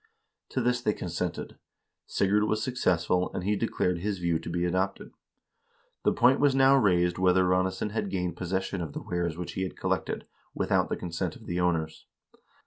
To this they consented. Sigurd was successful, and he declared his view to be adopted. The point was now raised whether Ranesson had gained possession of the wares which he had collected, without the consent of the owners.